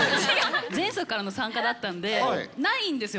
前作からの参加だったんで、ないんですよ。